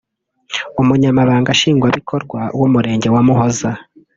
Umunyamabanga nshingwabikorwa w’Umurenge wa Muhoza